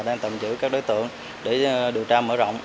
đang tạm giữ các đối tượng để điều tra mở rộng